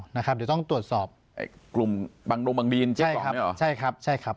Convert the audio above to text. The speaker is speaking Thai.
เดี๋ยวต้องตรวจสอบกลุ่มบางบีนใช่ครับ